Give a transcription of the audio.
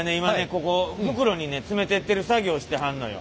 ここ袋に詰めてってる作業してはんのよ。